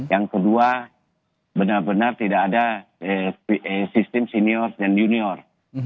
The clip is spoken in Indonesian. yang kedua benar benar tidak ada sistem senior dan junior